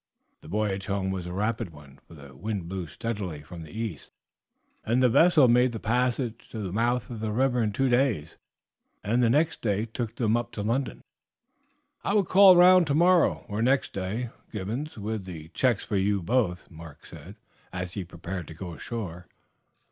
The voyage home was a rapid one, for the wind blew steadily from the east, and the vessel made the passage to the mouth of the river in two days, and the next took them up to London. "I will call round tomorrow or next day, Gibbons, with the checks for you both," Mark said as he prepared to go ashore.